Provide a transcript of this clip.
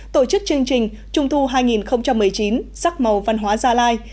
tổ chức chương trình trung thu hai nghìn một mươi chín sắc màu văn hóa gia lai